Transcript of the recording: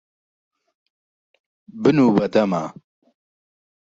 بنوو بە دەما.